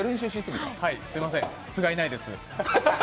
すいません、ふがいないです。